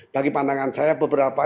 bagi pandangan saya beberapa